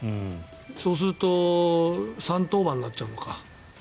そうすると３登板になっちゃうのか。